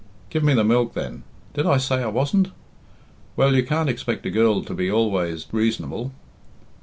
Give me the milk, then. Did I say I wasn't? Well, you can't expect a girl to be always reasonable."